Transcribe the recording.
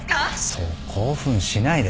そう興奮しないで。